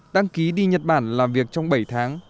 đăng ký đi nhật bản làm việc trong bảy tháng